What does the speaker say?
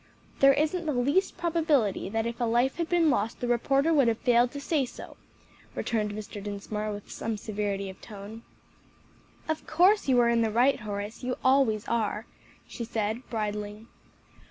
"There isn't the least probability that if a life had been lost the reporter would have failed to say so," returned Mr. Dinsmore with some severity of tone. "Of course you are in the right, Horace, you always are," she said, bridling.